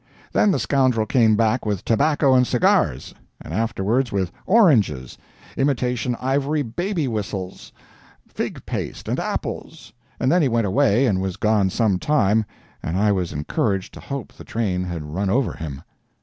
Then the scoundrel came back with tobacco and cigars, and afterwards with oranges, imitation ivory baby whistles, fig paste and apples, and then he went away and was gone some time, and I was encouraged to hope the train had run over him.